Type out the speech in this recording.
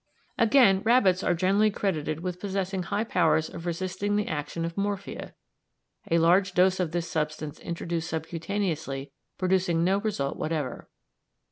Again, rabbits are generally credited with possessing high powers of resisting the action of morphia, a large dose of this substance introduced subcutaneously producing no result whatever.